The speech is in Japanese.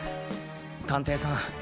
探偵さん